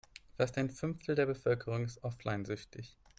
Fast ein Fünftel der Bevölkerung ist offline-süchtig.